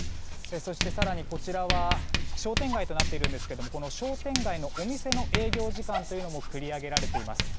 そして、更にこちらは商店街となっているんですけども商店街のお店の営業時間というのも繰り上げられています。